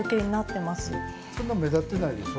そんな目立ってないでしょ？